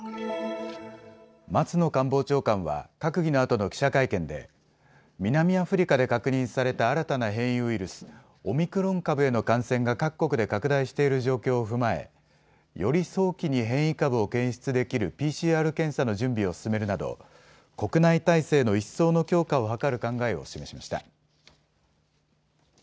松野官房長官は閣議のあとの記者会見で南アフリカで確認された新たな変異ウイルス、オミクロン株への感染が各国で拡大している状況を踏まえより早期に変異株を検出できるＰＣＲ検査の準備を進めるなど国内体制の一層の強化を図る考えを示しました。